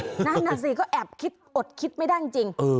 นั่นน่ะสิก็แอบคิดอดคิดไม่ได้จริง